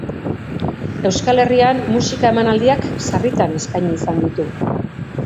Euskal Herrian musika emanaldiak sarritan eskaini izan ditu.